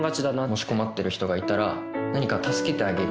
もし困ってる人がいたら何か助けてあげるっていう。